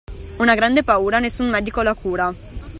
Una grande paura nessun medico la cura.